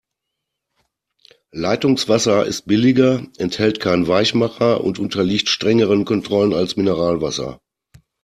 Leitungswasser ist billiger, enthält keinen Weichmacher und unterliegt strengeren Kontrollen als Mineralwasser.